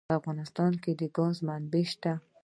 په افغانستان کې د ګاز منابع شته.